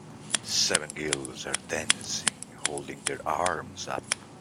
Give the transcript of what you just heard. seven girls are dancing holding their arms up.